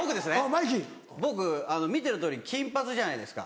僕見てのとおり金髪じゃないですか。